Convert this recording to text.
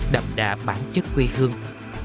đậm đà bản chất quê hương